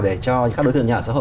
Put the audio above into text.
để cho các đối tượng nhà ở xã hội